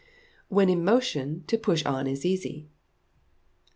[WHEN IN MOTION, TO PUSH ON IS EASY.